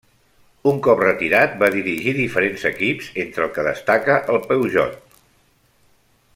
Un cop retirat va dirigir diferents equips entre el que destaca el Peugeot.